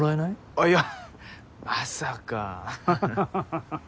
あっいやまさかははっ。